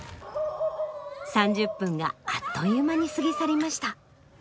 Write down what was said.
３０分があっという間に過ぎ去りました。